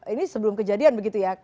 ini sebelum kejadian begitu ya